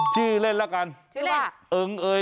ชื่อเล่นละกันเอิงเอย